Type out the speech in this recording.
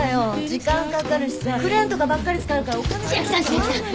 時間かかるしさクレーンとかばっかり使うからお金掛かって。